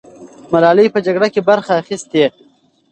ملالۍ په جګړه کې برخه اخیستې.